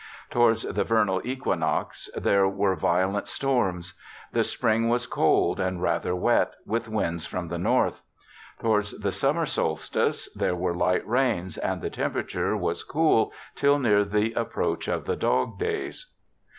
Towards the vernal equinox, there were violent storms. The spring was cold and rather wet, with winds from the north. Towards the summer solstice, there were light rains, and the temperature was cool till near the approach of the dog days.